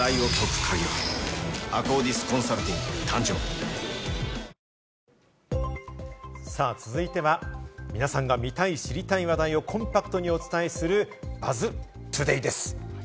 「ブローネ」「ルミエスト」続いては皆さんが見たい知りたい話題をコンパクトにお伝えする「ＢＵＺＺＴＯＤＡＹ」です。